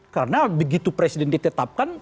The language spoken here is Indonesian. karena begitu presiden ditetapkan